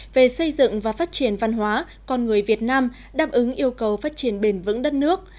về xây dựng và phát triển văn hóa con người việt nam đáp ứng yêu cầu phát triển bền vững đất nước